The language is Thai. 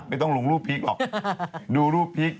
ไม่ต้องลงรูปพีคหรอก